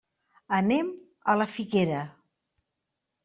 Anem a la Figuera.